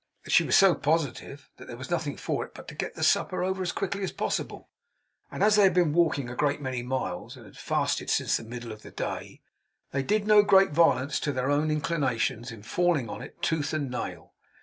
She was so positive, that there was nothing for it but to get the supper over as quickly as possible; and as they had been walking a great many miles, and had fasted since the middle of the day, they did no great violence to their own inclinations in falling on it tooth and nail.